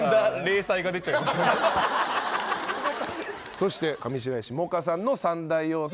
そして上白石萌歌さんの三大要素